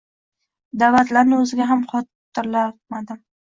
Daʼvatlarini oʻziga ham xotirlatmadim.